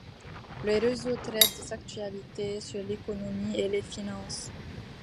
Le réseau traite des actualités sur l'économie et les finances.